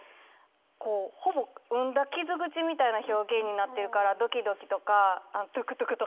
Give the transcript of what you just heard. こうほぼ膿んだ傷口みたいな表現になってるからドキドキとかトゥクトゥクとかじゃなくて。